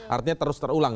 artinya terus terulang